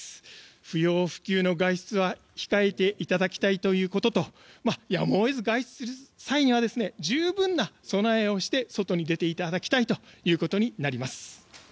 不要不急の外出は控えていただきたいということとやむを得ず外出する際には十分な備えをして外に出ていただきたいということになります。